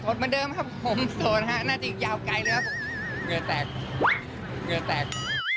เหมือนเดิมครับผมโสดฮะน่าจะยาวไกลเลยครับผมเหงื่อแตกเหงื่อแตก